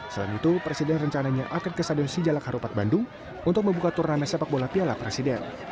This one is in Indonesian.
selain itu presiden rencananya akan ke sadun sijalak harupat bandung untuk membuka turnan mesya pak bola piala presiden